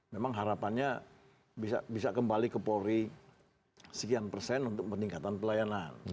memang harapannya bisa kembali ke polri sekian persen untuk peningkatan pelayanan